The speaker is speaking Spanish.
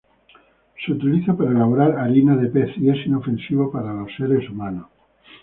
Se utiliza para elaborar harina de pez, y es inofensivo para los seres humanos.